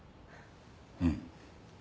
うん。